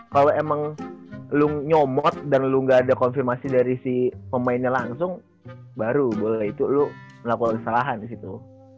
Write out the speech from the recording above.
kalo emang lo nyomot dan lo gak ada konfirmasi dari si pemainnya langsung baru boleh itu lo melakukan kesalahan disitu